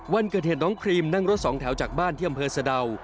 วันเกิดเหตุน้องครีมนั่งรถสองแถวจากบ้านที่อำเภอสะดาว